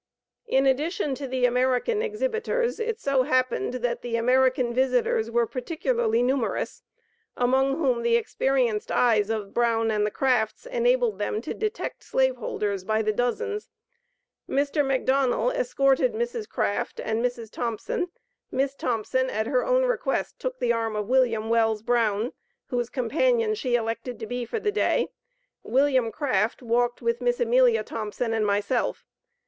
In addition to the American exhibitors, it so happened that the American visitors were particularly numerous, among whom the experienced eyes of Brown and the Crafts enabled them to detect slave holders by dozens. Mr. McDonnell escorted Mrs. Craft, and Mrs. Thompson; Miss Thompson, at her own request, took the arm of Wm. Wells Brown, whose companion she elected to be for the day; Wm. Craft walked with Miss Amelia Thompson and myself.